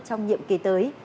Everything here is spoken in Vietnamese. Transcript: trong nhiệm kỳ tới